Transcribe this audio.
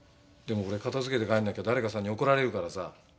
でもこれ片付けて帰らなきゃ誰かさんに怒られるからさ。